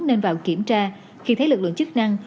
nên vào kiểm tra khi thấy lực lượng chức năng